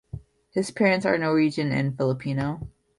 His parents are Norwegian and Filipino.